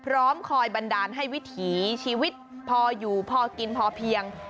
พร้อมคอยบันดาลให้วิถีชีวิตพออยู่พอกินพอเพียง